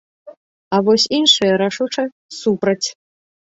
А вось іншыя рашуча супраць.